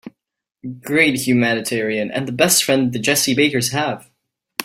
A great humanitarian and the best friend the Jessie Bakers have.